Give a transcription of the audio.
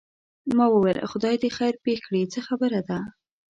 ما وویل خدای دې خیر پېښ کړي څه خبره ده.